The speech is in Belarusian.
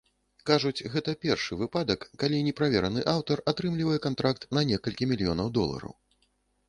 Кажуць, гэта першы выпадак, калі неправераны аўтар атрымлівае кантракт на некалькі мільёнаў долараў.